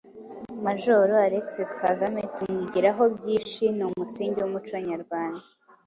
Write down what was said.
Mgr Alexis Kagame tumwigirahobyishi ni umusingi w’umuco nyarwanda.